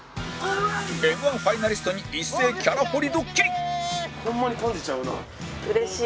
Ｍ−１ ファイナリストに一斉キャラ掘りドッキリ